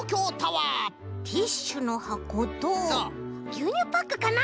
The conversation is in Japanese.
ぎゅうにゅうパックかな？